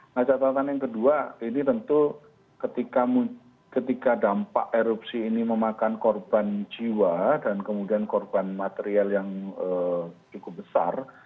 nah catatan yang kedua ini tentu ketika dampak erupsi ini memakan korban jiwa dan kemudian korban material yang cukup besar